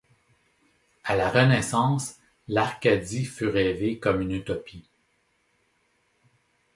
À la Renaissance, l'Arcadie fut rêvée comme une utopie.